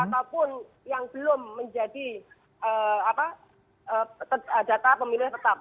ataupun yang belum menjadi data pemilih tetap